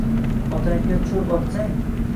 Otangga choʼp otsang